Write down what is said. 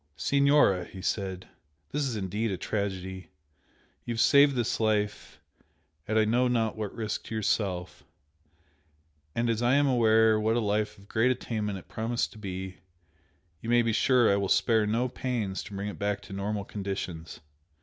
"Signora," he said "This is indeed a tragedy! You have saved this life at I know not what risk to yourself and as I am aware what a life of great attainment it promised to be, you may be sure I will spare no pains to bring it back to normal conditions.